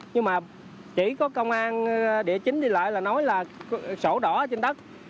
nhưng mà chỉ có công an địa chính đi lại là nói là sổ đỏ trên đất